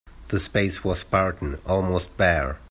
The space was spartan, almost bare.